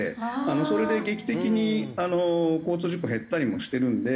それで劇的にあの交通事故減ったりもしてるんで。